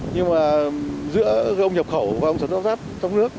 nhưng giữa ông nhập khẩu và ông sản xuất và lắp ráp trong nước